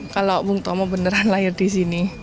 kalau bung tomo beneran lahir di sini